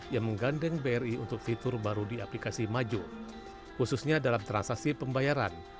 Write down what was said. yang menggandeng bri untuk fitur baru di aplikasi maju khususnya dalam transaksi pembayaran